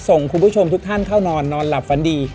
ส่งคุณผู้ชมทุกท่านเข้านอนนอนหลับฝันดี